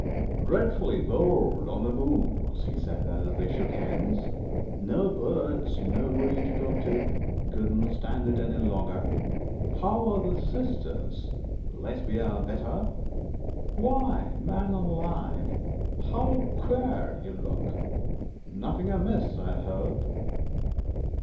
'Dreadfully bored on the moors,' he said, as they shook hands. 'No birds nobody to talk to couldn't stand it any longer. How are the sisters? Lesbia better? Why, man alive, how queer you look! Nothing amiss, I hope?'